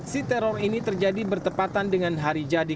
si teror ini terjadi bertepatan dengan hari jadi